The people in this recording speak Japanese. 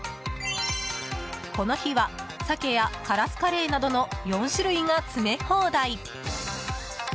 この日はサケやカラスカレイなどの４種類が詰め放題。